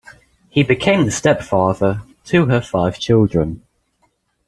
He became stepfather to her five children.